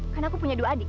karena aku punya dua adik